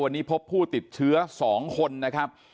วันนี้พบผู้ติดเชื้อ๒คนนะครับ